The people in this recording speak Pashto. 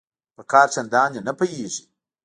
په کار چنداني نه پوهیږي